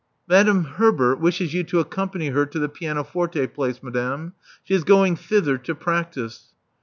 *' Madame Herbert wishes you to accompany her to the pianoforte place, madame. She is going thither to practise."